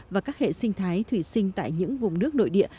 và các hệ sinh thái thủy sinh tại những vùng nước nội địa